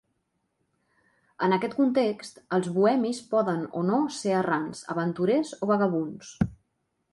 En aquest context, els bohemis poden o no ser errants, aventurers o vagabunds.